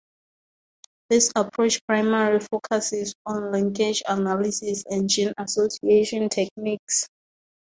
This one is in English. This approach primarily focuses on linkage analysis and gene association techniques.